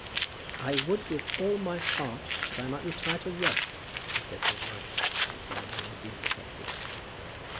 "I would with all my heart that I might retire to rest," he said to his wife, when the ceremony had been perfected.